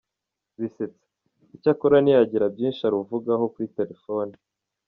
Bisetsa, icyakora ntiyagira byinshi aruvugaho kuri telefoni.